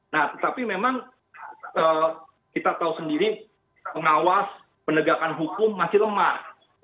nah tetapi memang kita tahu sendiri pengawas penegakan hukum masih lemah